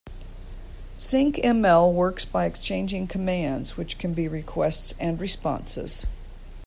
Syncml works by exchanging commands, which can be requests and responses.